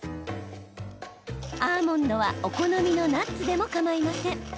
アーモンドはお好みのナッツでもかまいません。